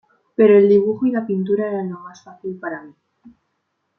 Pero el dibujo y la pintura eran lo más fácil para mí.